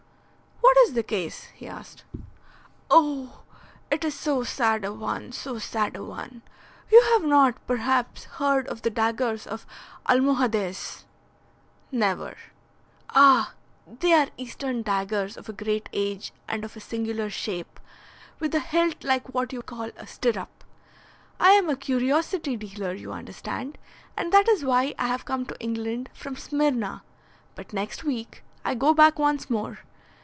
"What is the case?" he asked. "Oh, it is so sad a one! So sad a one! You have not, perhaps, heard of the daggers of the Almohades?" "Never." "Ah, they are Eastern daggers of a great age and of a singular shape, with the hilt like what you call a stirrup. I am a curiosity dealer, you understand, and that is why I have come to England from Smyrna, but next week I go back once more.